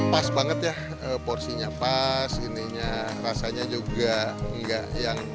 pas banget ya porsinya pas rasanya juga enggak